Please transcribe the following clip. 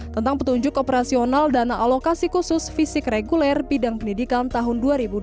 dua ribu dua puluh satu tentang petunjuk operasional dana alokasi khusus fisik reguler bidang pendidikan tahun dua ribu dua puluh satu